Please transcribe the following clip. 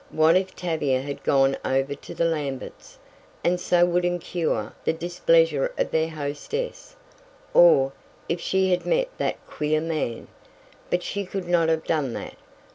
What if Tavia had gone over to Lamberts, and so would incur the displeasure of their hostess? Or, if she had met that queer man? But she could not have done that!